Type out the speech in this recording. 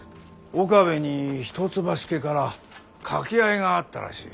岡部に一橋家から掛け合いがあったらしい。